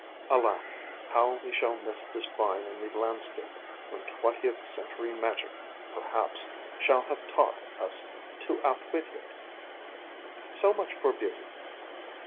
Alack, how we shall miss this vine in the landscape when twentieth century magic perhaps shall have taught us to outwit it! So much for beauty.